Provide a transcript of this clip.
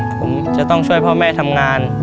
ผมจะต้องช่วยพ่อแม่ทำงาน